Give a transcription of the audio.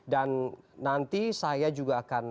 dan nanti saya juga akan meminta bagaimana keputusan anda